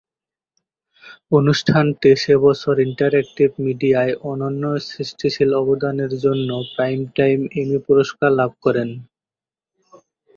অনুষ্ঠানটি সে বছর ইন্টারেক্টিভ মিডিয়ায় অনন্য সৃষ্টিশীল অবদানের জন্য প্রাইমটাইম এমি পুরস্কার লাভ করে।